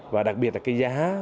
và đặc biệt là cái giá